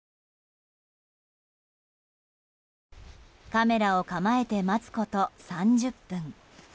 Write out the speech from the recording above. カメラを構えて待つこと３０分。